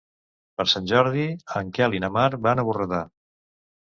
Per Sant Jordi en Quel i na Mar van a Borredà.